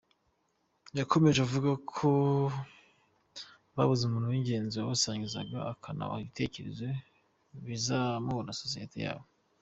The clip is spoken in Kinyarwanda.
Yakomeje avuga ko babuze umuntu w’ingenzi wabasangizaga akanabaha ibitekerezo bizamura sosiyete yabo.